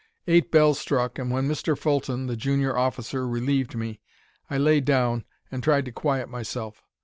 Eight bells struck, and when Mr. Fulton, the junior officer, relieved me, I laid down and tried to quiet myself.